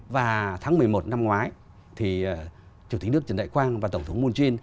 và tháng một mươi một năm ngoái thì chủ tịch nước trần đại quang và tổng thống moon jae